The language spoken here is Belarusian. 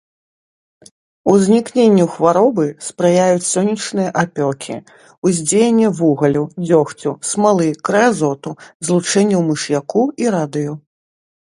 Узнікненню хваробы спрыяюць сонечныя апёкі, уздзеянне вугалю, дзёгцю, смалы, крэазоту, злучэнняў мыш'яку і радыю.